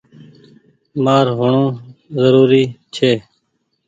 مآر هوڻو زوري ڇي۔